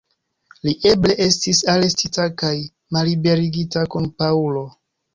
Li eble estis arestita kaj malliberigita kun Paŭlo.